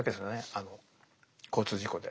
あの交通事故で。